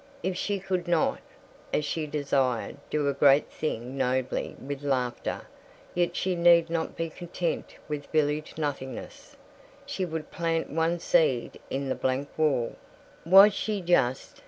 If she could not, as she desired, do a great thing nobly and with laughter, yet she need not be content with village nothingness. She would plant one seed in the blank wall. Was she just?